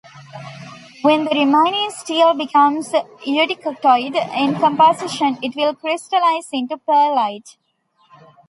When the remaining steel becomes eutectoid in composition, it will crystallize into pearlite.